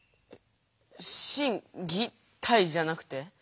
「心」「技」「体」じゃなくて？